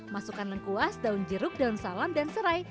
masukkan lengkuas daun jeruk daun salam dan serai